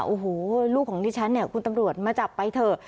โอ้โหลูกของนี่ฉันคุณตำรวจมาจับไปเถอะ